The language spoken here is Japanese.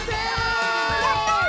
やった！